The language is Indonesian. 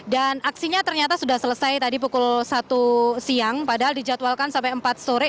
dan aksinya ternyata sudah selesai tadi pukul satu siang padahal dijadwalkan sampai empat sore